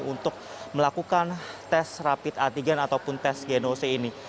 untuk melakukan tes rapid antigen ataupun tes genose ini